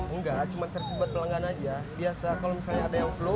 enggak cuma servis buat pelanggan aja biasa kalau misalnya ada yang flow